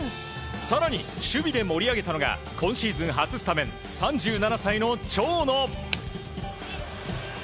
更に、守備で盛り上げたのが今シーズン初スタメン３７歳の長野。